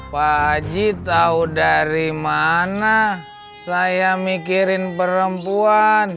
pak haji tahu dari mana saya mikirin perempuan